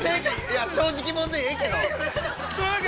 ◆正直者でええけど！